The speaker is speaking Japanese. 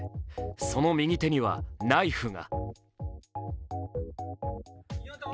その右手にはナイフが。